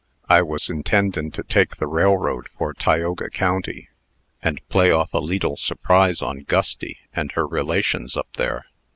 I was intendin' to take the railroad for Tioga County, and play off a leetle surprise on Gusty, and her relations up there.